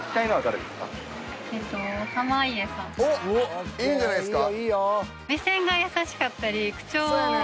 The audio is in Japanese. おっいいんじゃないですか？